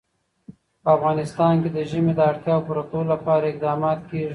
په افغانستان کې د ژمی د اړتیاوو پوره کولو لپاره اقدامات کېږي.